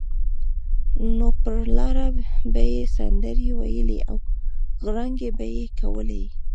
نو پر لاره به یې سندرې ویلې او غړانګې به یې کولې.